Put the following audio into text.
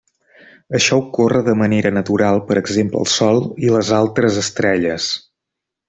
Això ocorre de manera natural per exemple al Sol i les altres estrelles.